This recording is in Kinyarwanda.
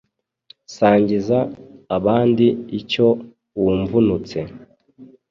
Sangiza abandi icyo wumvunutse